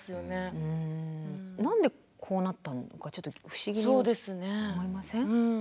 何でこうなったのかちょっと不思議に思いません？